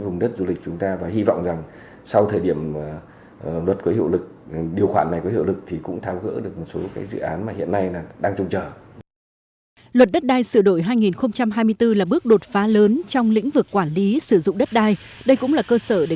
luật đất đai hai nghìn hai mươi bốn là bước đột phá lớn trong lĩnh vực quản lý sử dụng đất đai đây cũng là cơ sở để các tỉnh miền núi khai thác tốt tiềm năng về đất đai và văn hóa